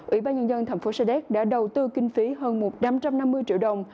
ủy ban nhân dân thành phố sa đéc đã đầu tư kinh phí hơn một tám trăm năm mươi triệu đồng